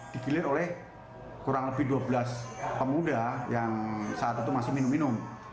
digilir oleh kurang lebih dua belas pemuda yang saat itu masih minum minum